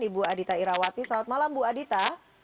ibu adita irawati selamat malam bu adita